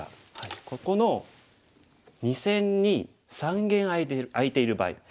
ここの２線に三間空いている場合